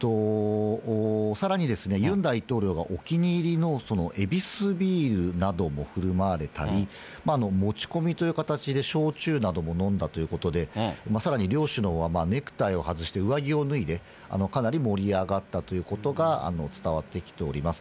さらに、ユン大統領がお気に入りのエビスビールなどもふるまわれたり、持ち込みという形で焼酎なども飲んだということで、さらに両首脳はネクタイを外して、上着を脱いで、かなり盛り上がったということが伝わってきております。